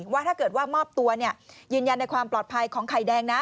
ว่าถ้าเกิดว่ามอบตัวยืนยันในความปลอดภัยของไข่แดงนะ